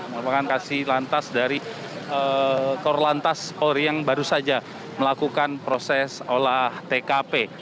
yang akan kasih lantas dari kor lantas oryang baru saja melakukan proses olah tkp